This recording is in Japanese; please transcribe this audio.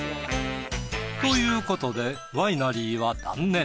ということでワイナリーは断念。